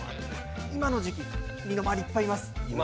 今の時期、身の回りいっぱいいます。